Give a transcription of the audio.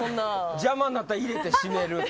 邪魔になったら入れて閉める。